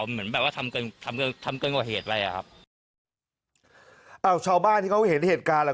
เหมือนแบบว่าทำเกินทำเกินทำเกินกว่าเหตุอะไรอ่ะครับอ้าวชาวบ้านที่เขาเห็นเหตุการณ์แหละ